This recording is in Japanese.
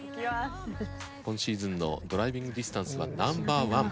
今シーズンのドライビングディスタンスはナンバー１。